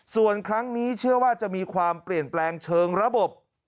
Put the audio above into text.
ส่วนครั้งนี้เชื่อว่าจะมีความเปลี่ยนแปลงเชิงระบบ